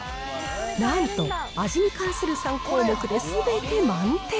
なんと、味に関する３項目ですべて満点。